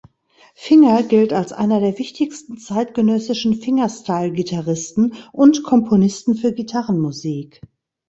Finger gilt als einer der wichtigsten zeitgenössischen Fingerstyle-Gitarristen und Komponisten für Gitarrenmusik.